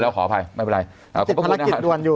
ติดภารกิจด่วนอยู่